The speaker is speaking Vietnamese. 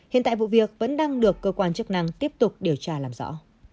hiện tại vụ việc vẫn đang được cơ quan chức năng tiếp tục điều tra làm rõ